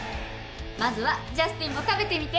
まずはジャスティンも食べてみて！